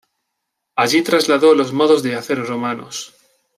Allí trasladó los modos de hacer romanos.